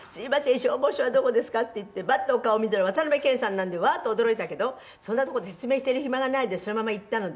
消防署はどこですか？”って言ってバッとお顔を見たら渡辺謙さんなんでうわ！と驚いたけどそんな所で説明している暇がないのでそのまま行ったので。